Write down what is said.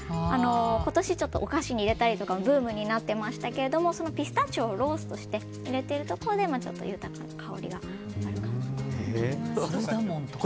今年お菓子に入れたりとかブームになっていましたがそのピスタチオをローストして入れているところでちょっと豊かな香りがあるかなと。